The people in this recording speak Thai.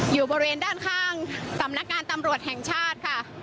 อยู่บริเวณด้านข้างสำนักงานตำรวจแห่งชาติค่ะ